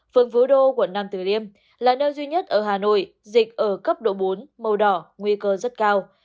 phường vú đô quận nam tử liêm là nơi duy nhất ở hà nội dịch ở cấp độ bốn màu đỏ nguy cơ rất cao